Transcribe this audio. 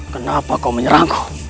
kenapa kau menyerahku